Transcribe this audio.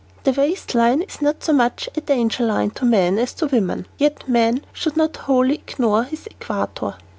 85] The waist line is not so much "a danger line" to man as to woman, yet man should not wholly ignore his equator.